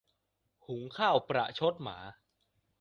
หุงข้าวประชดหมา